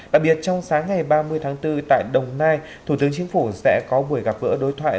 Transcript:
đặc biệt trong sáng ngày ba mươi tháng bốn tại đồng nai thủ tướng chính phủ sẽ có buổi gặp gỡ đối thoại